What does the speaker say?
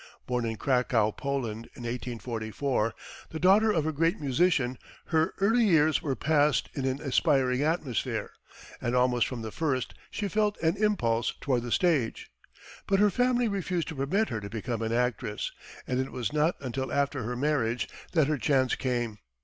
Born in Cracow, Poland, in 1844, the daughter of a great musician, her early years were passed in an inspiring atmosphere, and almost from the first she felt an impulse toward the stage. But her family refused to permit her to become an actress, and it was not until after her marriage that her chance came.